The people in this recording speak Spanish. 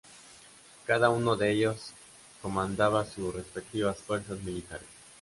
Cada uno de ellos comandaba sus respectivas fuerzas militares.